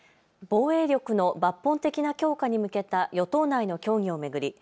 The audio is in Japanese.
防衛力の抜本的な強化に向けた与党内の協議を巡り